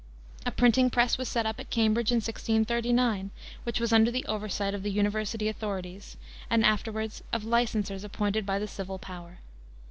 A printing press was set up at Cambridge in 1639, which was under the oversight of the university authorities, and afterwards of licensers appointed by the civil power.